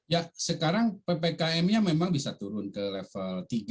ya sekarang ppkm nya memang bisa turun ke level tiga